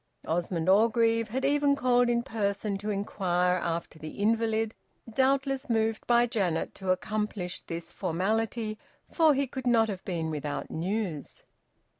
Osmond Orgreave had even called in person to inquire after the invalid, doubtless moved by Janet to accomplish this formality, for he could not have been without news.